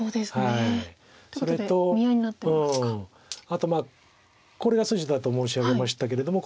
あとまあこれが筋だと申し上げましたけれども。